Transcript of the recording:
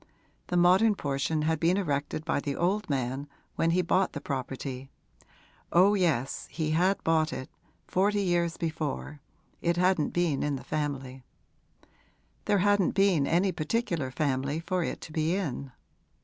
The modern portion had been erected by the old man when he bought the property; oh yes, he had bought it, forty years before it hadn't been in the family: there hadn't been any particular family for it to be in.